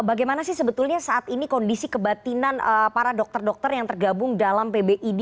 bagaimana sih sebetulnya saat ini kondisi kebatinan para dokter dokter yang tergabung dalam pbid